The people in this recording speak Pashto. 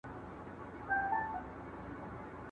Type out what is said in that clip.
¬ غل هم وايي خدايه، د کور خاوند هم وايي خدايه.